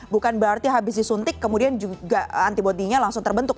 bukan berarti habis disuntik kemudian juga antibody nya langsung terbentuk